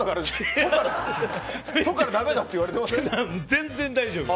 全然、大丈夫。